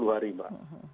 dua puluh hari mbak